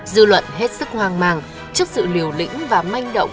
dư luận hết sức hoang mang trước sự liều lĩnh và manh động